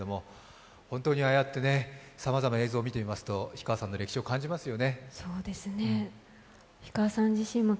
本当にああやってさまざまな映像を見ていますと、氷川さんの歴史を感じますよね。